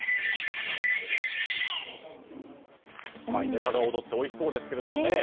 ネタが躍っておいしそうですけどね。